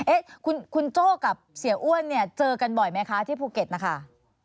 เอ๊ะคุณโจ้กับเสียอ้วนเนี่ยเจอกันบ่อยไหมคะที่ภูเก็ตนะคะ